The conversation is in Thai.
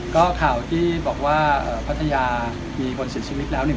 ก็ข่าวที่บอกว่าพัทยามีคนเสียชีวิตแล้วเนี่ย